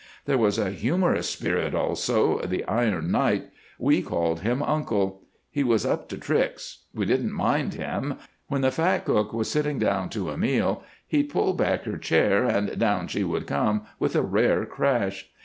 There was a humorous spirit also, the Iron Knight. We called him 'Uncle.' He was up to tricks. We didn't mind him. When the fat cook was sitting down to a meal, he'd pull back her chair, and down she would come with a rare crash.